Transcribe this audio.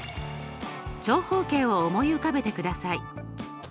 長方形を思い浮かべてください。